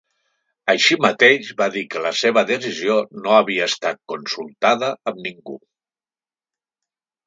Així mateix va dir que la seva decisió no havia estat consultada amb ningú.